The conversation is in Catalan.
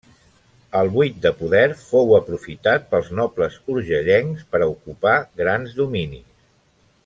El buit de poder fou aprofitat pels nobles urgellencs per a ocupar grans dominis.